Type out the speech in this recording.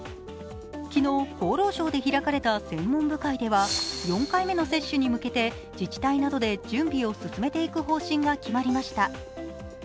昨日、厚労省で開かれた専門部会では、４回目の接種に向けて自治体などで準備を進めいてく方針が決まりました。